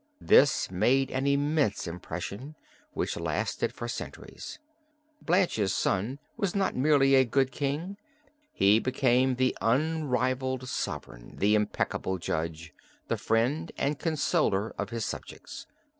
This made an immense impression, which lasted for centuries. Blanche's son was not merely a good king, he became the unrivalled sovereign, the impeccable judge, the friend and consoler of his subjects."